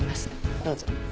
どうぞ。